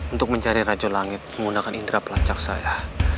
untuk mencari raju langit menggunakan indera pelancar saya